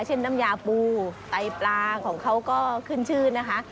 น้ำยาปูไตปลาของเขาก็ขึ้นชื่อนะคะ